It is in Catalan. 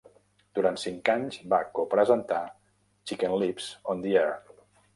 Durant cinc anys va co-presentar Chicken Lips on the Air!